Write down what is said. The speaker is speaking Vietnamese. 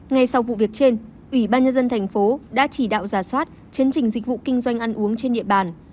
ngay sau vụ việc trên ubnd tp đã chỉ đạo giả soát chấn trình dịch vụ kinh doanh ăn uống trên địa bàn